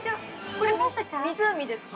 これ、湖ですか。